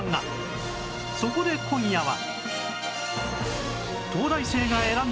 そこで今夜は